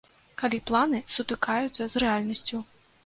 Калі планы сутыкаюцца з рэальнасцю.